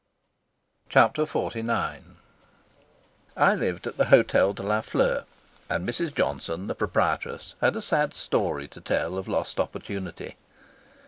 Chapter XLIX I lived at the Hotel de la Fleur, and Mrs. Johnson, the proprietress, had a sad story to tell of lost opportunity.